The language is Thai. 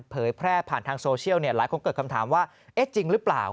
เผยแพร่ผ่านทางโซเชียลหลายคนเกิดคำถามว่าเอ๊ะจริงหรือเปล่า